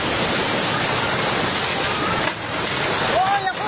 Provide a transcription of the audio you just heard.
น้ำป่าที่มามาเร็วมาแรงมากเลยนะคะนี่บ้านพังทั้งหลังใช่ค่ะ